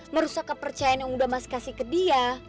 merusak kepercayaan yang udah mas kasih ke dia